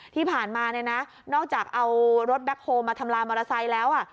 ที่ผ่านมาเนี่ยนะนอกจากเอารถแบ็คโฮลมาทำลายมอเตอร์ไซค์แล้ว